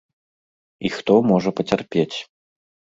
І хто можа пацярпець.